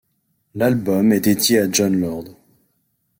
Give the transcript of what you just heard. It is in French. L'album est dédié à Jon Lord.